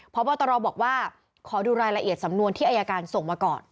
พบตรบอกว่าขอดูรายละเอียดสำนวนที่อายการส่งมาก่อน